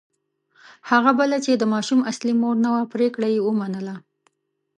هغه بله چې د ماشوم اصلي مور نه وه پرېکړه یې ومنله.